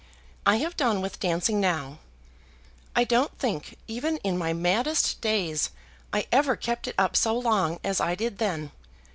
I have done with dancing now. I don't think, even in my maddest days, I ever kept it up so long as I did then.